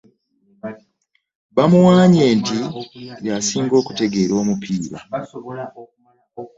Bamuwaanye nti y,asinga okutegeera omupiira.